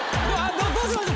どうしましょ？